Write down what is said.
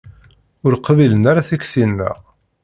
Ur qbilen ara tikti-nneɣ.